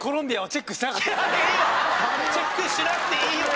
チェックしなくていいわ！